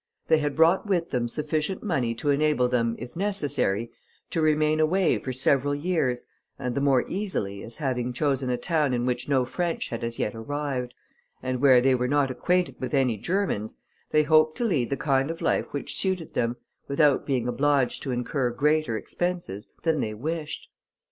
They had brought with them sufficient money to enable them, if necessary, to remain away for several years, and the more easily, as having chosen a town in which no French had as yet arrived, and where they were not acquainted with any Germans, they hoped to lead the kind of life which suited them, without being obliged to incur greater expenses than they wished.